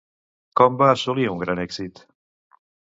Com va assolir un gran èxit?